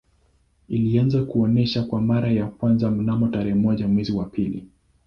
Ilianza kuonesha kwa mara ya kwanza mnamo tarehe moja mwezi wa pili